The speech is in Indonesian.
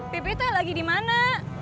pipi tuh lagi dimana